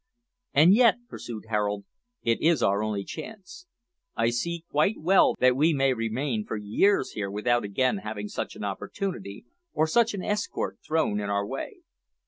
"And yet," pursued Harold, "it is our only chance. I see quite well that we may remain for years here without again having such an opportunity or such an escort thrown in our way."